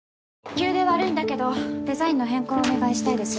急で悪いんだけどデザインの変更をお願いしたいです